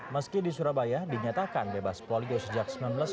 meski di surabaya dinyatakan bebas poligo sejak seribu sembilan ratus sembilan puluh